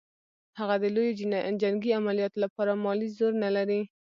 هغه د لویو جنګي عملیاتو لپاره مالي زور نه لري.